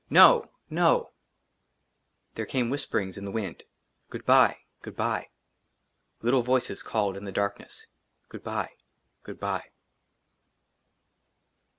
"NO NO " THERE CAME WHISPERINGS IN THE WIND I " GOOD BYE ! GOOD BYE !" LITTLE VOICES CALLED IN THE DARKNESS I " GOOD BYE ! GOOD BYE